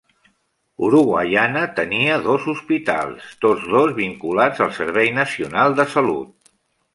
Uruguaiana tenia dos hospitals, tots dos vinculats al servei nacional de salut.